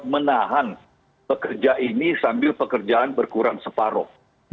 menahan pekerja ini sambil pekerjaan berkurang separuh